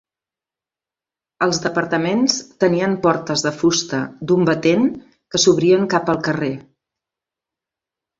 Els departaments tenien portes de fusta d'un batent que s'obrien cap al carrer.